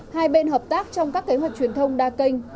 hai bên hợp tác trong các kế hoạch truyền thông đa kênh